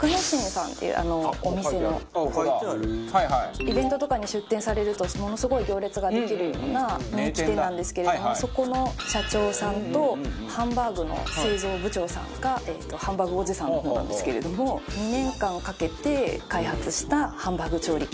イベントとかに出店されるとものすごい行列ができるような人気店なんですけれどもそこの社長さんとハンバーグの製造部長さんがハンバーグおじさんの方なんですけれども２年間かけて開発したハンバーグ調理器になってます。